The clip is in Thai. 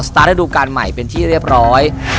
ตาร์ทระดูการใหม่เป็นที่เรียบร้อย